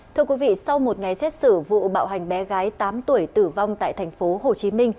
thưa quý vị sau một ngày xét xử vụ bạo hành bé gái tám tuổi tử vong tại tp hcm